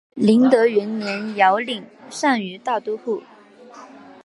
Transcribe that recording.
麟德元年遥领单于大都护。